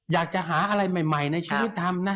อยากจะหาอะไรใหม่ในชีวิตทำนะ